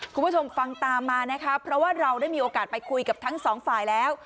คุณผู้ชมฟังตามมานะคะเพราะว่าเราได้มีโอกาสไปคุยกับทั้งสองฝ่ายแล้ว